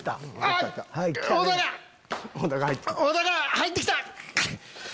入って来た。